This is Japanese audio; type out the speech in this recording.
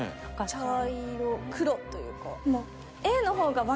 茶色黒というか。